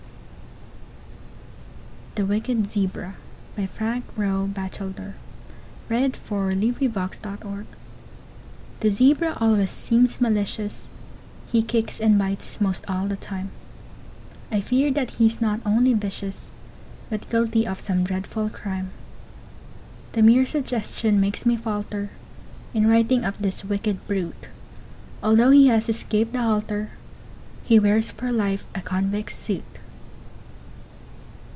WICKED ZEBRA BY FRANK ROE BATCHELDER The zebra always seems malicious, He kicks and bites 'most all the time; I fear that he's not only vicious, But guilty of some dreadful crime. The mere suggestion makes me falter In writing of this wicked brute; Although he has escaped the halter, He wears for life a convict's suit.